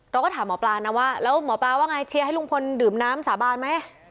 เราก็ถามหมอปลานะว่าแล้วหมอปลาว่าไงเชียร์ให้ลุงพลดื่มน้ำสาบานไหม